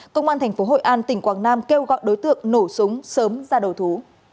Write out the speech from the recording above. công an thành phố hội an tỉnh quảng nam kêu gọi đối tượng nổ súng sớm ra đồ thú